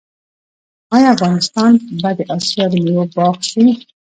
آیا افغانستان به د اسیا د میوو باغ شي؟